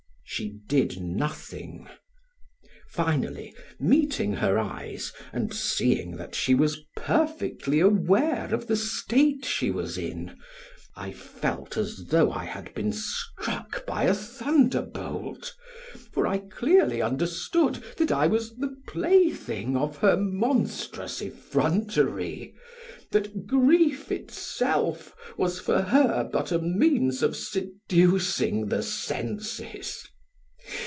She did nothing. Finally meeting her eyes and seeing that she was perfectly aware of the state she was in, I felt as though I had been struck by a thunderbolt, for I clearly understood that I was the plaything of her monstrous effrontery, that grief itself was for her but a means of seducing the senses.